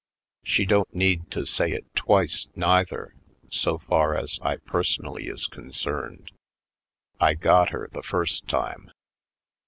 She don't need to say it twice, neither, so far as I personally is concerned. I got her the first time.